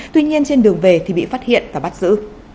tuy nhiên trên đường về thì bị phát hiện và bắt giữ